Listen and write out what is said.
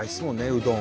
うどん。